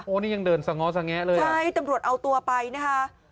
นี่ยังเดินสง้อสงแงะเลยใช่ตำรวจเอาตัวไปนะคะ